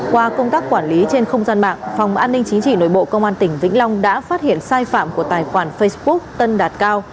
qua công tác quản lý trên không gian mạng phòng an ninh chính trị nội bộ công an tỉnh vĩnh long đã phát hiện sai phạm của tài khoản facebook tân đạt cao